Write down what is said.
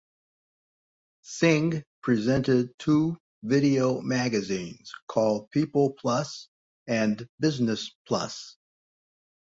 Singh presented two video magazines called "People Plus" and "Business Plus".